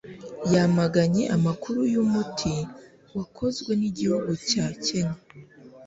yamaganye amakuru y'umuti wakozwe n'igihugu cya kenya